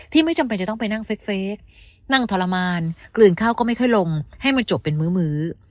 ไม่จำเป็นจะต้องไปนั่งเฟคนั่งทรมานกลืนข้าวก็ไม่ค่อยลงให้มันจบเป็นมื้อ